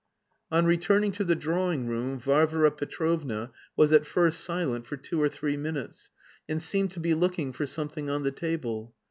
On returning to the drawing room Varvara Petrovna was at first silent for two or three minutes, and seemed to be looking for something on the table.